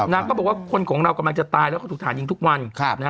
นางก็บอกว่าคนของเรากำลังจะตายแล้วก็ถูกฐานยิงทุกวัน